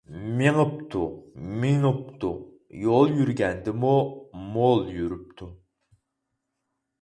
مېڭىپتۇ، مېڭىپتۇ، يول يۈرگەندىمۇ مول يۈرۈپتۇ.